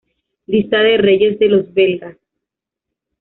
Lista de reyes de los belgas